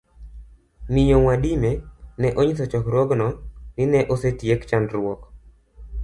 Miyo Mwadime ne onyiso chokruogno ni ne osetiek chandruok